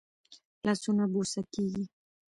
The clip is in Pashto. لاسونه بوسه کېږي